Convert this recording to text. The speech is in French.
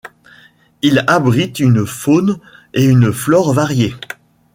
Il abrite une faune et une flore variées.